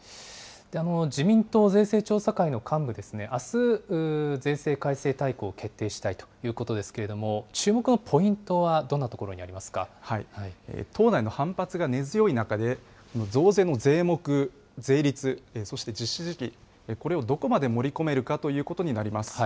自民党税制調査会の幹部ですね、あす、税制改正大綱を決定したいということですけれども、注目のポイン党内の反発が根強い中で、増税の税目、税率、そして実施時期、これをどこまで盛り込めるかということになります。